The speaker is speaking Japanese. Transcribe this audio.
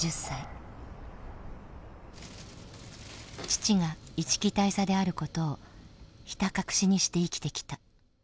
父が一木大佐であることをひた隠しにして生きてきた。